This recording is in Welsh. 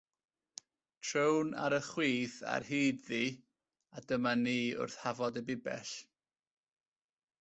Trown ar y chwith ar hyd-ddi, a dyma ni wrth Hafod y Bibell.